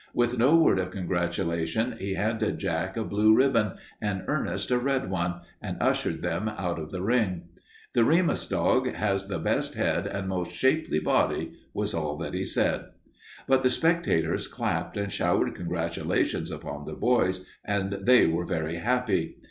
With no word of congratulation he handed Jack a blue ribbon and Ernest a red one, and ushered them out of the ring. "The Remus dog has the best head and most shapely body," was all that he said. But the spectators clapped and showered congratulations upon the boys, and they were very happy.